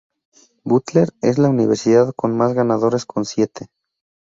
Butler es la universidad con más ganadores con siete.